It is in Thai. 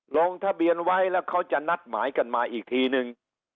ลงทะเบียนไว้แล้วเขาจะนัดหมายกันมาอีกทีนึง